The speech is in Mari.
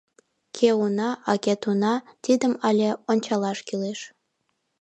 Кӧ уна, а кӧ туна — тидым але ончалаш кӱлеш.